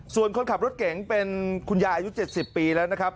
ส่วนคนขับรถเก๋งเป็นคุณยายอายุ๗๐ปีแล้วนะครับ